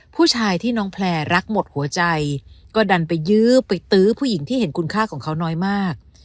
ผู้ชายที่น้องแพลร์รักหมดหัวใจก็ดันไปยื้อไปตื้อผู้หญิงที่เห็นคุณค่าของเขาน้อยมาก